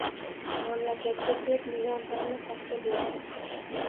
Mamlakatga to‘rt million tonna paxta berdi.